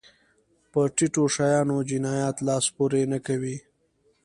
په ټيټو شیانو جنایت لاس پورې نه کوي.